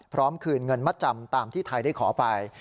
คืนเงินมัดจำตามที่ไทยได้ขอไป